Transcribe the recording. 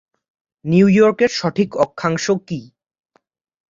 New ইয়র্কের সঠিক অক্ষাংশ কি।